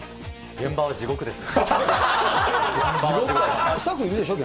現場は地獄です。